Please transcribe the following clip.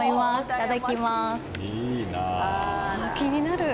いただきます！